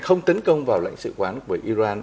không tấn công vào lãnh sự quán của iran